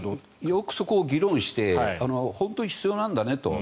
よくそこを議論して本当に必要なんだね？と。